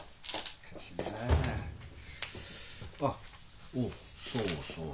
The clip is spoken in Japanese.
あっおうそうそう。